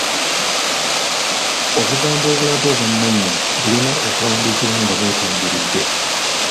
Obugambo obulaga obwannannyini bulina kuwandiikibwa nga bwetengeredde.